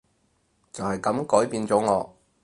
就係噉改變咗我